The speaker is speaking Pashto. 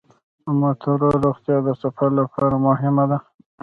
د موټرو روغتیا د سفر لپاره مهمه ده.